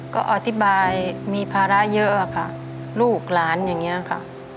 ก็อธิบายมีภาระเยอะค่ะลูกหลานอย่างนี้ค่ะ